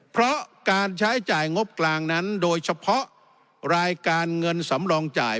เพราะการใช้จ่ายงบกลางนั้นโดยเฉพาะรายการเงินสำรองจ่าย